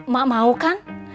mak mau kan